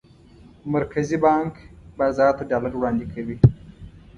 مرکزي بانک بازار ته ډالر وړاندې کوي.